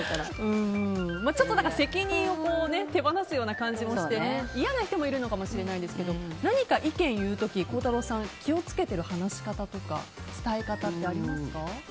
責任を手放すような感じもして嫌な人もいるのかもしれないですが何か意見を言う時、孝太郎さん気を付けてる話し方とか伝え方ってありますか？